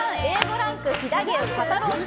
ランク飛騨牛肩ロース